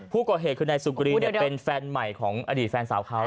ผู้ก่อเหตุคือนายสุกรีเป็นแฟนใหม่ของอดีตแฟนสาวเขา